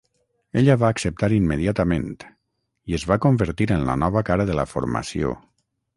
Ella va acceptar immediatament i es va convertir en la nova cara de la formació.